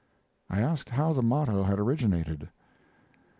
I asked how the motto had originated.